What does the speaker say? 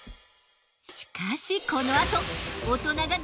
しかしこのあと。